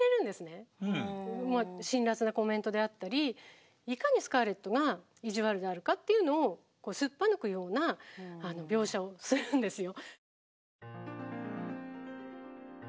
辛辣なコメントであったりいかにスカーレットが意地悪であるかというのをすっぱ抜くような描写をするんですよ。